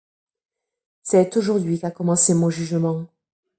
C’est aujourd’hui qu’a commencé mon jugement.